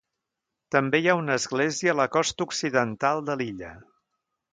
També hi ha una església a la costa occidental de l'illa.